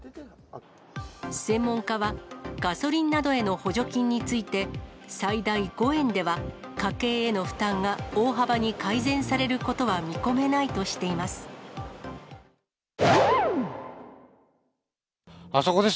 専門家は、ガソリンなどへの補助金について、最大５円では、家計への負担が大幅に改善されることは見込めないとしています。